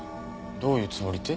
どういうつもりって？